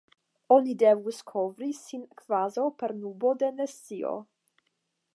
Oni devus kovri sin kvazaŭ per nubo de nescio.